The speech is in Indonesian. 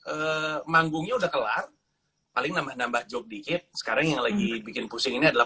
eh manggungnya udah kelar paling nambah nambah jog dikit sekarang yang lagi bikin pusing ini adalah